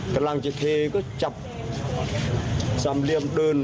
กำลังจะเทก็จับสามเหลี่ยมเดิน